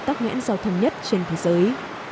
tắt ngãn giao thông nhất trên thế giới